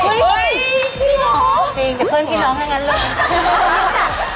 จริงเดี๋ยวเพื่อนพี่น้องให้เลิก